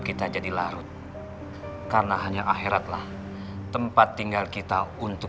saya mohon maaf saya tinggal sebentar